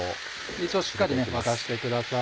一応しっかり沸かしてください。